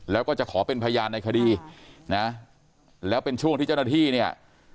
แล้วก็จะขอเป็นพยานในคดีนะแล้วเป็นช่วงที่เจ้าหน้าที่เนี่ย